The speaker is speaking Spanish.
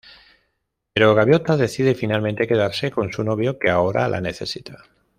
Pero Gaviota decide finalmente quedarse con su novio que ahora la necesita.